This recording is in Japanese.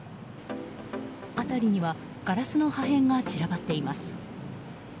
辺りにはガラスの破片が散らばっています。